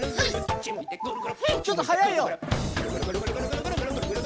ちょっとはやいよ。